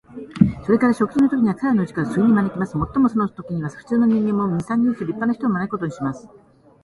それから食事のときには、彼等のうちから数人招きます。もっともそのときには、普通の人間も、二三人ずつ立派な人を招くことにします。